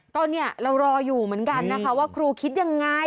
ก็เนี่ยเรารออยู่เหมือนกันนะคะว่าครูคิดยังไง